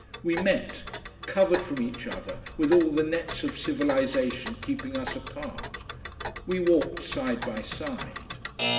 We met, covered from each other, with all the nets of civilisation keeping us apart. We walked side by side.